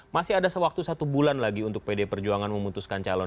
masih ada sewaktu satu bulan lagi untuk pd perjuangan memutuskan calon